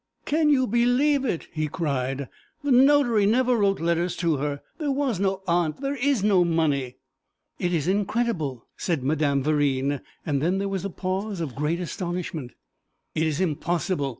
'Can you believe it!' he cried, 'the notary never wrote letters to her; there was no aunt; there is no money!' 'It is incredible,' said Madame Verine, and then there was a pause of great astonishment. 'It is impossible!'